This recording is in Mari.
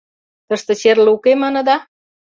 — Тыште черле уке, маныда?